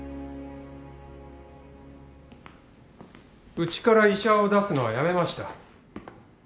うちから医者を出すのはやめました。